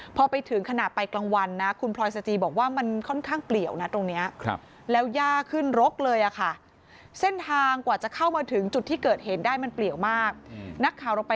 พอไปถึงขณะไปกลางวันนะคุณพรอยสจิบอกว่ามันค่อนข้างเปรียวนะ